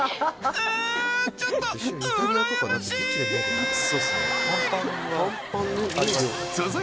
えーちょっと、うらやましい。